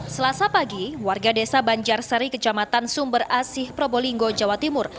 selasa pagi warga desa banjar sari kejamatan sumber asih probolinggo jawa timur